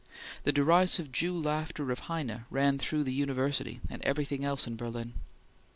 The derisive Jew laughter of Heine ran through the university and everything else in Berlin.